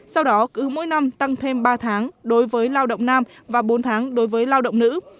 sau đó cứ mỗi năm tăng thêm ba tháng đối với lao động nam và bốn tháng đối với lao động nữ